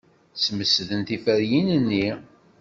Smesden tiferyin-nni.